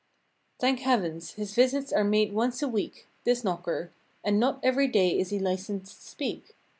Thank heavens, his visits are made once a week— This knocker, And not every day is he licensed to speak.